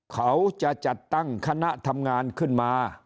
เขาจะจัดตั้งคณะทำงานขึ้นมา